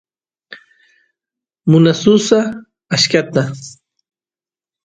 munasusaq achkata